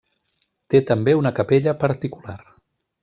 Té també una capella particular.